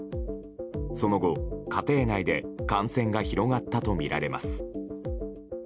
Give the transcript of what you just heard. その後、家庭内で感染が広がったとみられます。